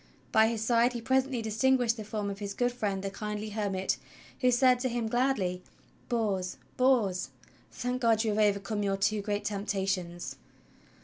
By his side he presently distinguished the form of his good friend, the kindly hermit, who said to him gladly: "Bors, Bors, thank God you have overcome your two great temptations!